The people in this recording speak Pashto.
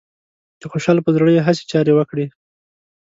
د خوشحال پر زړه يې هسې چارې وکړې